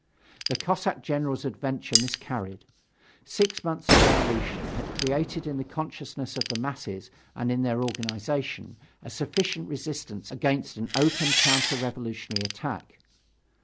The Cossack General's adventure miscarried; six months of revolution had created in the consciousness of the masses and in their organization a sufficient resistance against an open counter revolutionary attack.